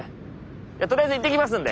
とりあえず行ってきますんで！